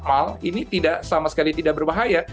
normal ini sama sekali tidak berbahaya